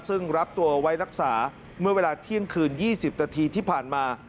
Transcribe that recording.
ซึ่งรับตัวไว้รักษาเมื่อเวลาเที่ยงคืน๒๐นาทีที่ผ่านมา